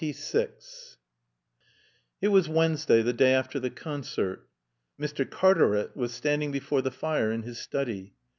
XXVI It was Wednesday, the day after the concert. Mr. Cartaret was standing before the fire in his study.